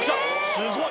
すごい。